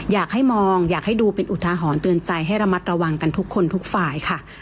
อยากให้มองอยากให้ดูเป็นอุทาหรณ์เตือนใจให้ระมัดระวังกันทุกคนทุกฝ่ายค่ะ